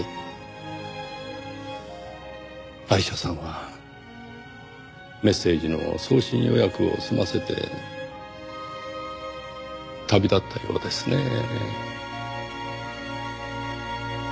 アイシャさんはメッセージの送信予約を済ませて旅立ったようですねぇ。